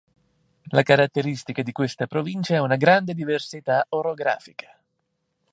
La caratteristica di questa provincia è una grande diversità orografica.